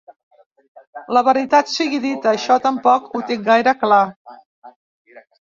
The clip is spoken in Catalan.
La veritat sigui dita, això tampoc ho tinc gaire clar.